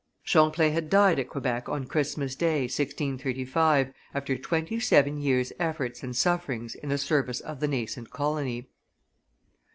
Champlain had died at Quebec on Christmas Day, 1635, after twenty seven years' efforts and sufferings in the service of the nascent colony.